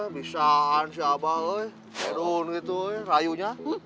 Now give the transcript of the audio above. bisa kan si abang serun gitu rayunya